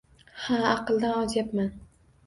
- Ha, aqldan ozyapman!